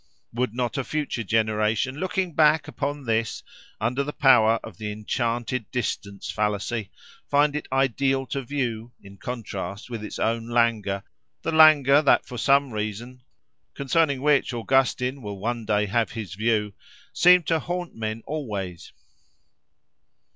Would not a future generation, looking back upon this, under the power of the enchanted distance fallacy, find it ideal to view, in contrast with its own languor—the languor that for some reason (concerning which Augustine will one day have his view) seemed to haunt men always?